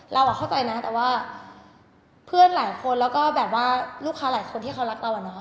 เข้าใจนะแต่ว่าเพื่อนหลายคนแล้วก็แบบว่าลูกค้าหลายคนที่เขารักเราอะเนาะ